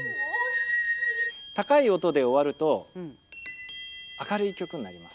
高い音で終わると明るい曲になります。